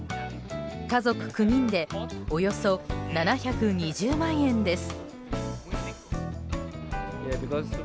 家族９人でおよそ７２０万円です。